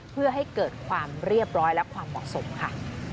เพื่อให้เกิดความเรียบร้อยและความเหมาะสมค่ะ